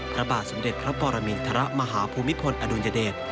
พระบาทสมเด็จพระปรมินทรมาฮภูมิพลอดุลยเดช